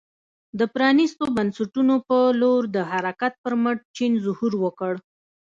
د پرانیستو بنسټونو په لور د حرکت پر مټ چین ظهور وکړ.